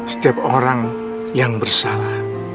setiap orang yang bersalah